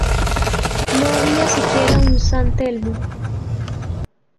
No había siquiera un San Telmo.